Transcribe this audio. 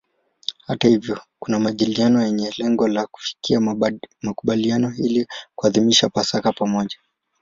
Hata hivyo kuna majadiliano yenye lengo la kufikia makubaliano ili kuadhimisha Pasaka pamoja.